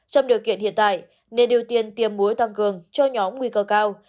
trong điều kiện hiện tại nền điều tiên tiêm mũi tăng cường cho nhóm nguy cơ cao